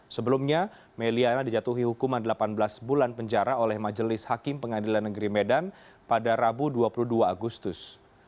sebelumnya meliana dijatuhi hukuman delapan belas bulan penjara oleh majelis hakim pengadilan negeri medan pada rabu dua puluh dua agustus